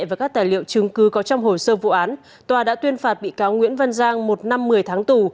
và các tài liệu chứng cứ có trong hồ sơ vụ án tòa đã tuyên phạt bị cáo nguyễn văn giang một năm một mươi tháng tù